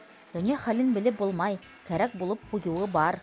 Донъя хәлен белеп булмай, кәрәк булып ҡуйыуы бар.